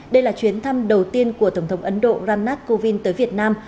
đây là chuyến thăm đầu tiên của tổng thống ấn độ ram nath kovind tới việt nam